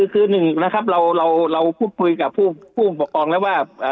คือหนึ่งนะครับเราพูดคุยกับผู้ปกครองแล้วว่า